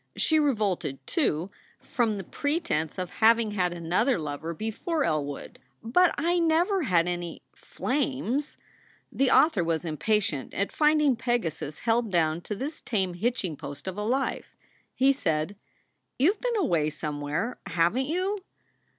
She revolted, too, from the pretense of having had another lover before Elwood: "But I never had any flames " The author was impatient at finding Pegasus held down to this tame hitching post of a life. He said: "You ve been away somewhere, haven t you?"